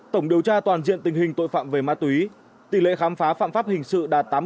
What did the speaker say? tổng điều tra toàn diện tình hình tội phạm về ma túy tỷ lệ khám phá phạm pháp hình sự đạt tám mươi